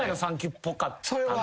っぽかったな。